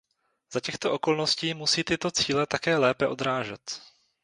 Za těchto okolností musí tyto cíle také lépe odrážet.